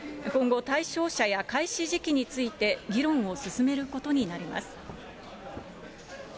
今後、対象者や開始時期について、議論を進めることになります。